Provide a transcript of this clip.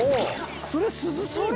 それ涼しいの？